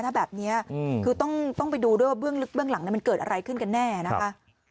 ถ้าแบบนี้คือต้องไปดูด้วยว่าเบื้องลึกเบื้องหลังมันเกิดอะไรขึ้นกันแน่นะคะ